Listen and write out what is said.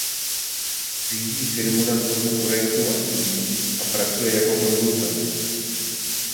Řídí firmu na tvorbu projektů a studií a pracuje jako konzultant.